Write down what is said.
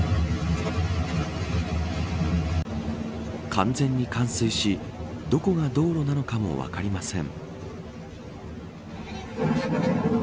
完全に冠水しどこが道路なのかも分かりません。